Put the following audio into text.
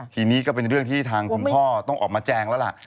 ทีนี้ก็เป็นเรื่องที่ทางคุณพ่อต้องออกมาแจงแล้วล่ะ